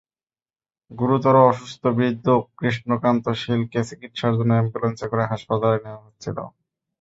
গুরুতর অসুস্থ বৃদ্ধ কৃষ্ণকান্ত শীলকে চিকিৎসার জন্য অ্যাম্বুলেন্সে করে হাসপাতালে নেওয়া হচ্ছিল।